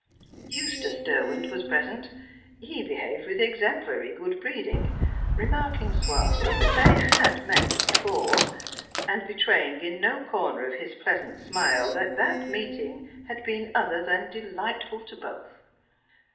Eustace Derwent was present; he behaved with exemplary good breeding, remarking suavely that they had met before, and betraying in no corner of his pleasant smile that that meeting had been other than delightful to both.